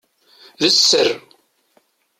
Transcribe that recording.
D sser.